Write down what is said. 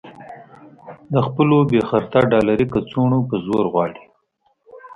د خپلو بې خرطه ډالري کڅوړو په زور غواړي.